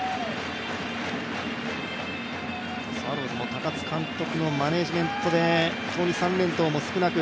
高津監督のマネジメントで、３連投も少なく